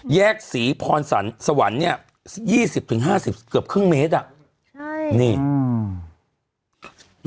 แยกศรีพรสวรรค์เนี้ยยี่สิบถึงห้าสิบเกือบครึ่งเมตรอ่ะใช่นี่อืม